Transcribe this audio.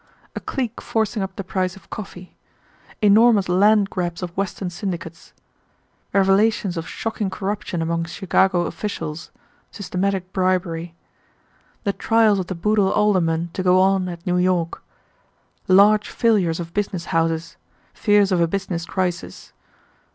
A clique forcing up the price of coffee. Enormous land grabs of Western syndicates. Revelations of shocking corruption among Chicago officials. Systematic bribery. The trials of the Boodle aldermen to go on at New York. Large failures of business houses. Fears of a business crisis.